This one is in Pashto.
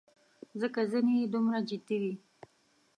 ځکه ځینې یې دومره جدي وې.